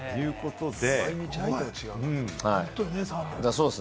そうです。